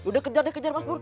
udah kejar deh kejar mas buru